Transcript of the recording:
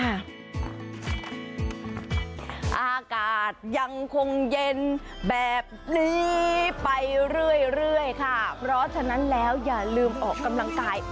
อากาศยังคงเย็นแบบนี้ไปเรื่อยค่ะเพราะฉะนั้นแล้วอย่าลืมออกกำลังกาย